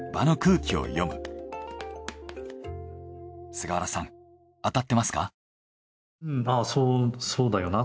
菅原さん当たってますか？